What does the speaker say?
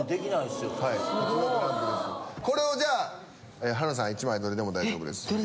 これをじゃあはるなさん１枚どれでも大丈夫です。